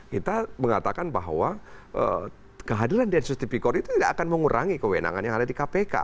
kita mengatakan bahwa kehadiran densus tipikor itu tidak akan mengurangi kewenangan yang ada di kpk